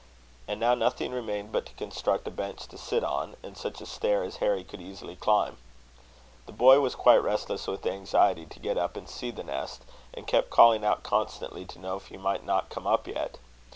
And now nothing remained but to construct a bench to sit on, and such a stair as Harry could easily climb. The boy was quite restless with anxiety to get up and see the nest; and kept calling out constantly to know if he might not come up yet.